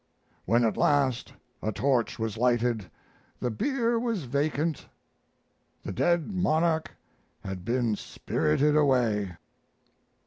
When at last a torch was lighted the bier was vacant the dead monarch had been spirited away!